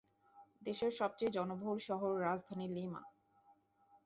দেশের সবচেয়ে জনবহুল শহর রাজধানী লিমা।